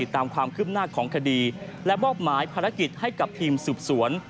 ตามความคืบหน้าของคดีและมอบหมายภารกิจให้กับทีมสืบสวน